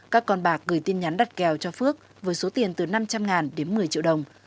các con bạc gửi tin nhắn đặt kèo cho phước với số tiền từ năm trăm linh đến một mươi triệu đồng